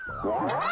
うわ！